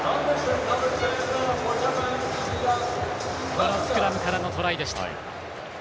このスクラムからのトライでした。